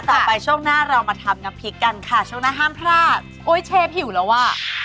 ต่อไปช่วงหน้าเรามาทำน้ำพริกกันค่ะช่วงหน้าห้ามพลาดโอ๊ยเชฟหิวแล้วอ่ะ